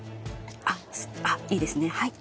あっいいですねはい。